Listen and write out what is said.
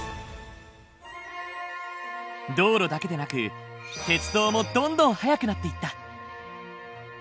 道路だけでなく鉄道もどんどん速くなっていった。